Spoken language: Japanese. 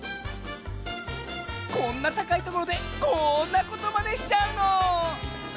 こんなたかいところでこんなことまでしちゃうの！